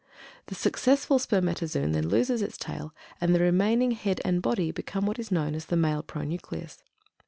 The successful spermatozoon then loses its tail, and the remaining head and body become what is known as "the male pronucleus."